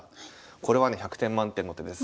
これはね１００点満点の手です。